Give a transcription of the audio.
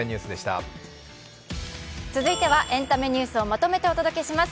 続いては、エンタメニュースをまとめてお届けします。